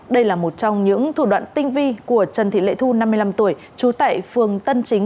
đây là một trong những thủ đoạn tinh vi của trần thị lệ thu năm mươi năm tuổi trú tại phường tân chính